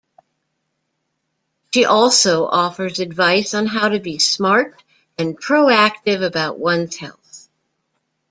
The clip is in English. She also offers advice on how to be smart and proactive about one's health.